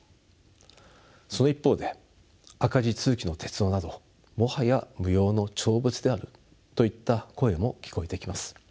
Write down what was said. その一方で赤字続きの鉄道などもはや無用の長物であるといった声も聞こえてきます。